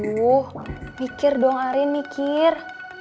duh mikir dong arin mikir